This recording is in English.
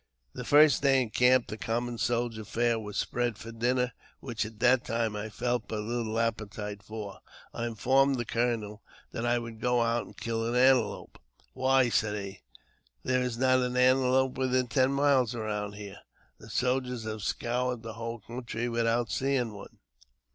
The first day in camp, the common soldier's fare was spread for dinner, which at that time I felt but little appetite for. I informed the colonel that I would go out and kill an antelope. " Why," said he, " there is not an antelope within ten miles around ; the soldiers have scoured the whole country without seeing one."